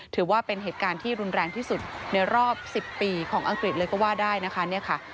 ถือว่าเป็นเหตุการณ์ที่รุนแรงที่สุดในรอบ๑๐ปีของอังกฤษเลยก็ว่าได้นะคะ